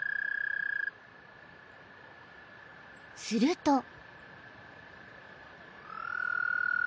［すると］